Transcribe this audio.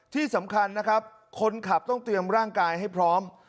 ที่สำคัญนะครับคนขับต้องเตรียมร่างกายให้พร้อม